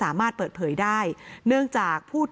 และการแสดงสมบัติของแคนดิเดตนายกนะครับ